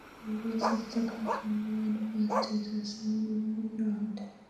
Universitatea Craiova advanced to the third qualifying round.